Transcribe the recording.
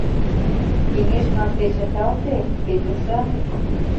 — Кеҥеж марте чыталте, Федюша.